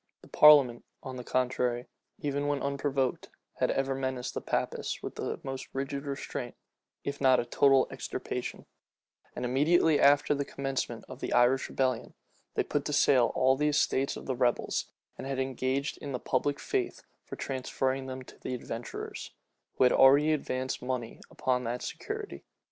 The parliament, on the contrary, even when unprovoked, had ever menaced the Papists with the most rigid restraint, if not a total extirpation; and immediately after the commencement of the Irish rebellion, they put to sale all the estates of the rebels, and had engaged the public faith for transferring them to the adventurers, who had already advanced money upon that security.